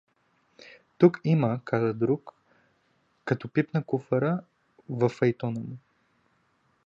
— Тук какво има — каза друг, като пипна куфара във файтона му.